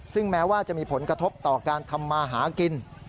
ซึ่งแม้ว่าจะมีผลกระทบต่อการทำมาหากิน